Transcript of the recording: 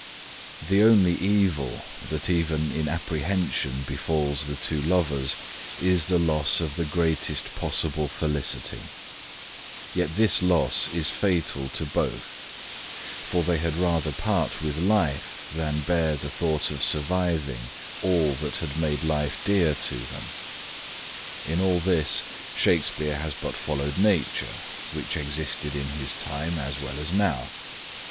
The only evil that even in apprehension befalls the two lovers is the loss of the greatest possible felicity; yet this loss is fatal to both, for they had rather part with life than bear the thought of surviving all that had made life dear to them. In all this, Shakespeare has but followed nature, which existed in his time, as well as now.